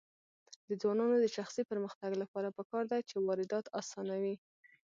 د ځوانانو د شخصي پرمختګ لپاره پکار ده چې واردات اسانوي.